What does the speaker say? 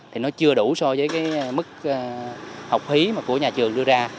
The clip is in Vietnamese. thì nó chưa đủ so với cái mức học hí của nhà trường đưa ra